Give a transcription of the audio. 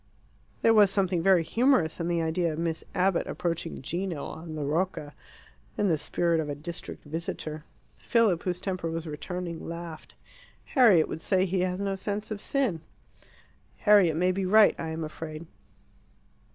There was something very humorous in the idea of Miss Abbott approaching Gino, on the Rocca, in the spirit of a district visitor. Philip, whose temper was returning, laughed. "Harriet would say he has no sense of sin." "Harriet may be right, I am afraid."